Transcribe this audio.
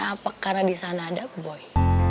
atau karena disana ada boy